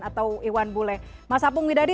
atau iwan bule mas apung widadi